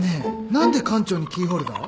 何で館長にキーホルダー？